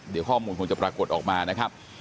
เดี๋ยวข้อมูลคงจะปรากฏออกมานะครับ